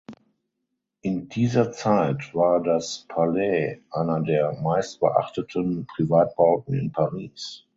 In dieser Zeit war das Palais „einer der meistbeachteten Privatbauten“ in Paris.